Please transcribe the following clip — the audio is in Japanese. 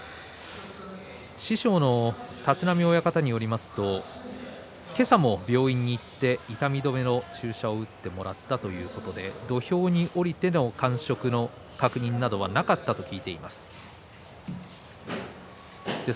師匠の立浪親方によりますと今朝も病院に行って痛み止めの注射を打ってもらったということで土俵に下りて感触の確認などはなかったと聞いています。